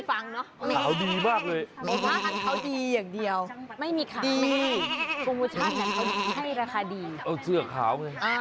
โปรดีโปรเด็ดแบบนี้เฉพาะแฟนรายการวันข่าวเท่านั้น